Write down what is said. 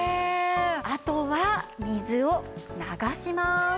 あとは水を流します。